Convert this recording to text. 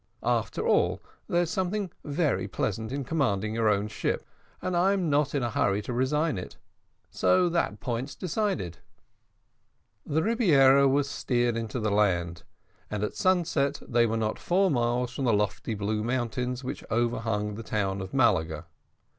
After all, there's something very pleasant in commanding your own ship, and I'm not in a hurry to resign it so that point's decided." The Rebiera was steered in to the land, and at sunset they were not four miles from the lofty blue mountains which overhang the town of Malaga.